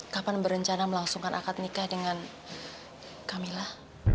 kapan berencana melangsungkan akad nikah dengan camillah